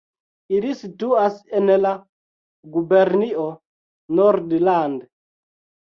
Ili situas en la gubernio Nordland.